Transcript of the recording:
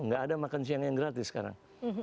nggak ada makan siang yang gratis sekarang